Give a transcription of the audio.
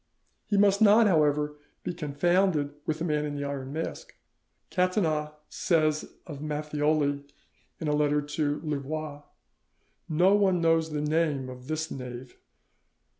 He must not, however, be confounded with the Man in the Iron Mask. Catinat says of Matthioli in a letter to Louvois "No one knows the name of this knave."